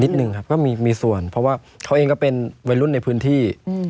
หนึ่งครับก็มีส่วนเพราะว่าเขาเองก็เป็นวัยรุ่นในพื้นที่